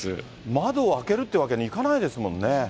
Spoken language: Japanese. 窓を開けるってわけにいかないですもんね。